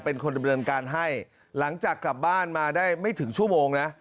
เป็นคนดำเนินการให้หลังจากกลับบ้านมาได้ไม่ถึงชั่วโมงนะ